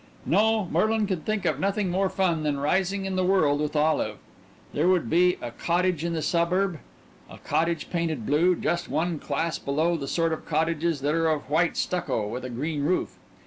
No, Merlin could think of nothing more fun than rising in the world with Olive. There would be a cottage in a suburb, a cottage painted blue, just one class below the sort of cottages that are of white stucco with a green roof.